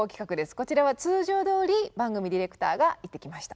こちらは通常どおり番組ディレクターが行ってきました。